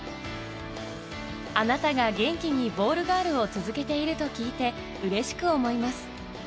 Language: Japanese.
あなたが元気にボールガールを続けていると聞いてうれしく思います。